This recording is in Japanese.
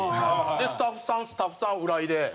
でスタッフさんスタッフさん浦井で。